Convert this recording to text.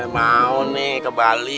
mau nih ke bali